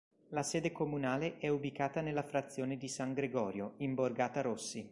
La sede comunale è ubicata nella frazione di San Gregorio, in borgata Rossi.